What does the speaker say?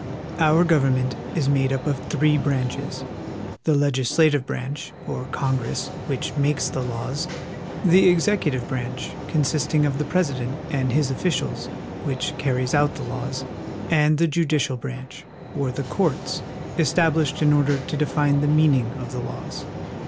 Our government is made up of three branches : the leg islative branch, or Congress, which makes the laws ; the executive branch, consisting of the President and his offi cials, which car ries out the laws; and the judicial branch, or the courts, estab lished in order to define the meaning of the laws.